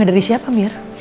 dari siapa mir